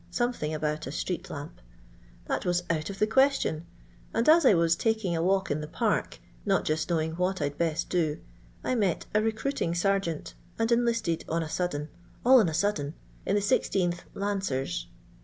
something about a street lamp : that was out of the question; and as I was taking a walk in the park, not just knowing what I 'd best do, I met a recruiting sergeant, and en listed on a sudden — all on a sudden — in the 16th Lancers.